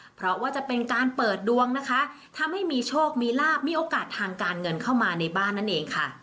เพราะว่าจะเป็นการเปิดดวงนะคะทำให้มีโชคมีลาบมีโอกาสทางการเงินเข้ามาในบ้านนั่นเองค่ะ